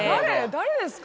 誰ですか？